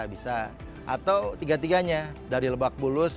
bisa atau tiga tiganya dari lebakbulus